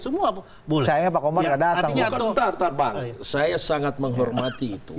saya sangat menghormati itu